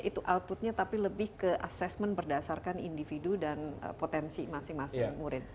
itu outputnya tapi lebih ke assessment berdasarkan individu dan potensi masing masing murid